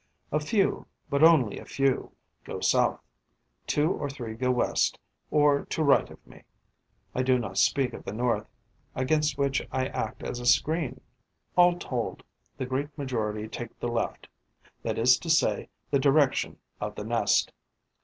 A few, but only a few, go south; two or three go west, or to right of me. I do not speak of the north, against which I act as a screen. All told, the great majority take the left, that is to say, the direction of the nest.